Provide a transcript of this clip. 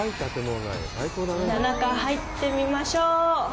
中、入ってみましょう。